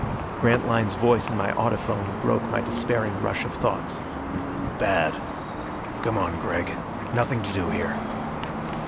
Grantline's voice in my audiphone broke my despairing rush of thoughts. "Bad. Come on, Gregg; nothing to do here."